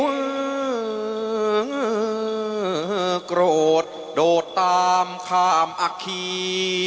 โกรธโดดตามข้ามอัคคี